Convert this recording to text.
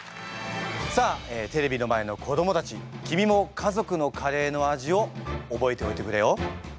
さあテレビの前の子どもたち君も家族のカレーの味を覚えておいてくれよ。